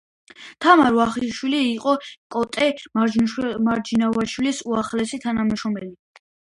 თამარ ვახვახიშვილი იყო კოტე მარჯანიშვილის უახლოესი თანამშრომელი.